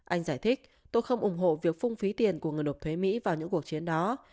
anh giải thích tôi không ủng hộ việc phung phí tiền của người nộp thuế mỹ vào những cuộc chiến đó